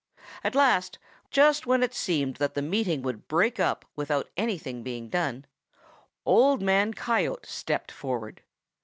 At last, just when it seemed that the meeting would break up without anything being done, Old Man Coyote stepped forward.